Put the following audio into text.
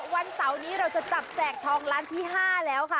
วันเสาร์นี้เราจะจับแจกทองล้านที่๕แล้วค่ะ